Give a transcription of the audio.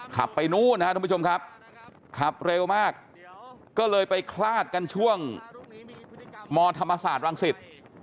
ขับไปนู้นนะครับแข็งที่ฉมครับขับเร็วมากก็เลยไปคราดกันช่วงมธรรมศาสตร์ร้างสิต